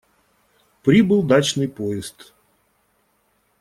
Прибыл дачный поезд.